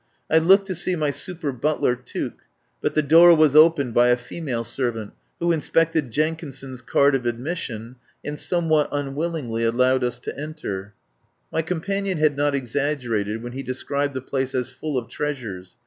I looked to see my super butler Tuke, but the door was opened by a female servant, who inspected Jenkinson's card of admission, and somewhat unwillingly allowed us to enter. 45 THE POWER HOUSE My companion had not exaggerated when he described the place as full of treasures.